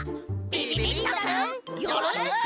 びびびっとくんよろしく！